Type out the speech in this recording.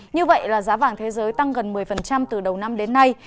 như vậy là giá vàng thế giới tăng gần một mươi từ đầu năm đến nay